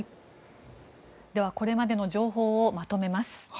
では、これまでの情報をまとめます。